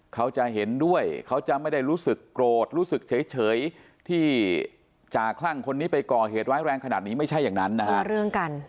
เขาจะเห็นด้วยเขาจะไม่ได้รู้สึกโกรธรู้สึกเฉยที่จ่าคลั่งคนนี้ไปก่อเหตุร้ายแรงขนาดนี้ไม่ใช่อย่างนั้นนะฮะ